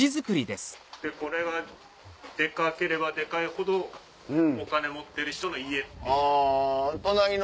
これがでかければでかいほどお金持ってる人の家っていう。